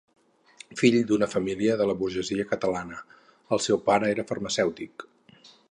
Fill d'una família de la burgesia catalana, el seu pare era farmacèutic.